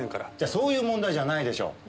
そういう問題じゃないでしょう！